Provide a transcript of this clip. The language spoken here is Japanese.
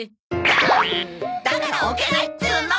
だーっ！だから置けないっつうの！